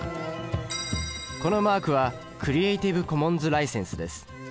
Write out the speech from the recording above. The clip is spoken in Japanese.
このマークはクリエイティブ・コモンズ・ライセンスです。